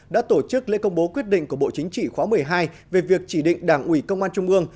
đã tổ chức lễ công bố quyết định của bộ chính trị khóa một mươi hai về việc chỉ định đảng ủy công an trung ương